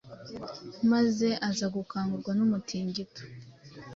maze aza gukangurwa n’umutingito